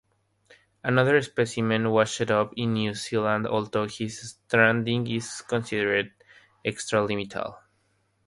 Another specimen washed up in New Zealand, although this stranding is considered extralimital.